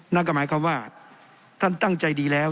นักภาพไหมกำว่าท่านตั้งใจดีแล้ว